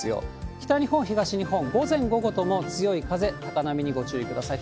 北日本、東日本、午前、午後とも強い風、高波にご注意ください。